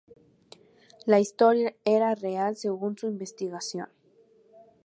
La historia era real según su investigación.